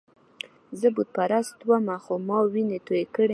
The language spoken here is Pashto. زه بُت پرست ومه، خو ما ويني توئ کړي نه وې.